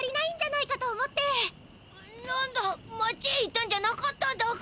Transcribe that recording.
なんだ町へ行ったんじゃなかっただか。